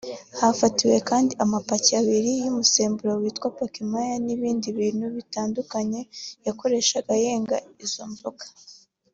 Hafatiwe kandi amapaki abiri y’umusemburo witwa Pakimaya n’ibindi bintu bitandukanye yakoreshaga yenga iyo nzoga